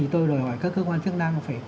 tôi đòi hỏi các cơ quan chức năng phải